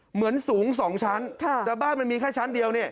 เหมือนสูง๒ชั้นแต่บ้านมันมีแค่ชั้นเดียวนี่